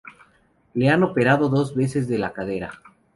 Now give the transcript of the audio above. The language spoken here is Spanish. Le han operado dos veces de la cadera.